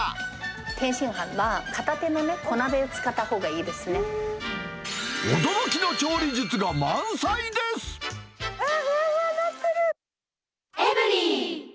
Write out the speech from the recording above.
天津飯は片手の小鍋を使った驚きの調理術が満載です。